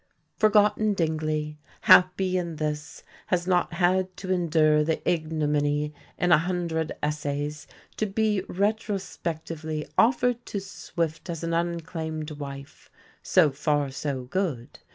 Forgotten Dingley, happy in this, has not had to endure the ignominy, in a hundred essays, to be retrospectively offered to Swift as an unclaimed wife; so far so good.